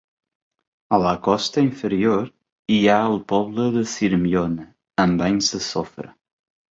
A la costa inferior hi ha el poble de Sirmione, amb banys de sofre.